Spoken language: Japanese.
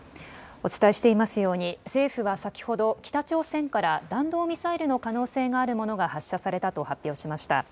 お伝えしていますように政府は先ほど北朝鮮から弾道ミサイルの可能性があるものが発射されたと発表しました。